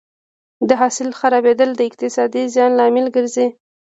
د حاصل خرابېدل د اقتصادي زیان لامل ګرځي.